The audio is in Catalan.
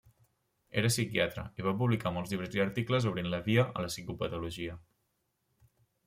Era psiquiatre, i va publicar molts llibres i articles, obrint la via a la psicopatologia.